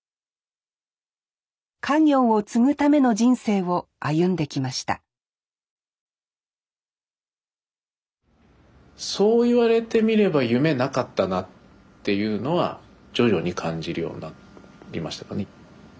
家業を継ぐための人生を歩んできましたそう言われてみれば夢なかったなっていうのは徐々に感じるようになりましたかね。